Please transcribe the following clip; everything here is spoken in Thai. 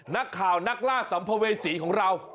นักข่าวนักล่าสัมภเวษีของเรา